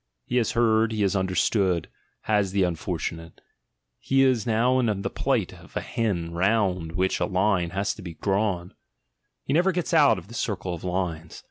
He has heard, he has understood, has the unfortunate: he is now in the plight of a hen round which a line has been drawn. He never gets out of the circle of lines.